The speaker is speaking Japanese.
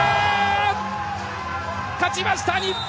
勝ちました日本。